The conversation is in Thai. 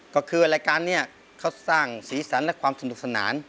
ก็คือรายการนี้เขาสร้างสีสันและความสนุกสนาน